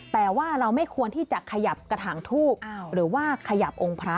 แต่ว่าเราไม่ควรที่จะขยับกระถางทูบหรือว่าขยับองค์พระ